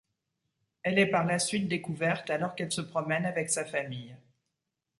Elle est par la suite découverte alors qu'elle se promène avec sa famille.